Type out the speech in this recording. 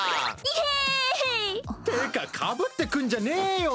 イエイ！ってかかぶってくんじゃねぇよ